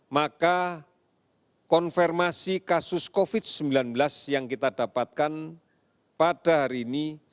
maka konfirmasi kasus covid sembilan belas yang kita dapatkan pada hari ini